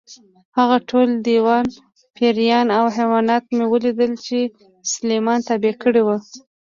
هغه ټول دیوان، پېریان او حیوانات مې ولیدل چې سلیمان تابع کړي وو.